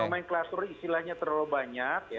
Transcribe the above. nomenklatur istilahnya terlalu banyak